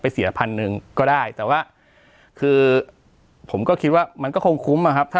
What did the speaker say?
เสียพันหนึ่งก็ได้แต่ว่าคือผมก็คิดว่ามันก็คงคุ้มอะครับ